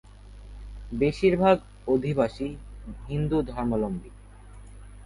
বেশীরভাগ অধিবাসী হিন্দু ধর্মাবলম্বী।